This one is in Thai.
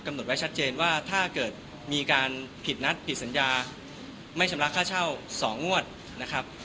หดไว้ชัดเจนว่าถ้าเกิดมีการผิดนัดผิดสัญญาไม่ชำระค่าเช่า๒งวดนะครับ